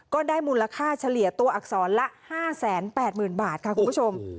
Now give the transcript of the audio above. ก็ได้มูลค่าเฉลี่ยตัวอักษรละ๕๘๐๐๐บาทค่ะคุณผู้ชม